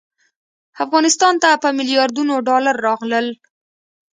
افغانستان ته په میلیاردونو ډالر راغلل.